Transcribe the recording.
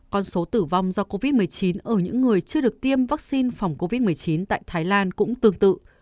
con số tử vong do covid một mươi chín ở những người chưa được tiêm vaccine phòng covid một mươi chín tại thái lan cũng tương tự